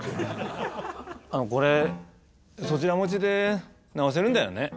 これそちら持ちで直せるんだよね？